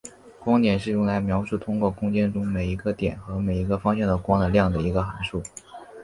光场是用来描述通过空间中每一个点和每一个方向的光的量的一个函数。